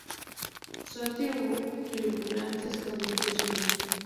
Son triangulares con dientes finos.